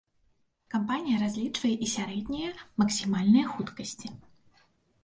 Кампанія разлічвае і сярэднія максімальныя хуткасці.